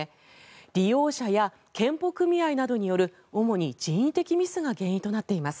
利用者や健保組合などによる主に人為的ミスが原因となっています。